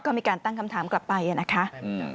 ก็มีการตั้งคำถามกลับไปนะคะ